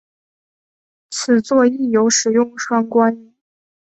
此作亦有使用双关语。